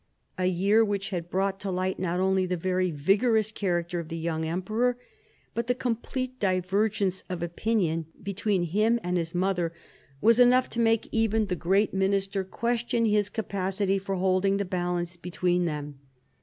A year which had brought to light not only the very vigorous character of the young emperor but the complete divergence of opinion between him and his mother was enough to make even the great minister r !l ■ i J 210 THE CO BEGENTS chap, x question his capacity for holding the balance between them.